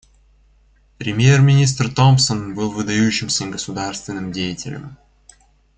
Премьер-министр Томпсон был выдающимся государственным деятелем.